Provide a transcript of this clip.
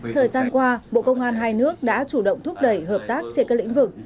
thời gian qua bộ công an hai nước đã chủ động thúc đẩy hợp tác trên các lĩnh vực